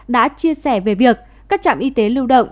đã chia sẻ về việc các trạm y tế lưu động